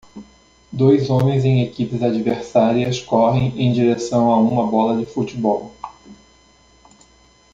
Dois homens em equipes adversárias correm em direção a uma bola de futebol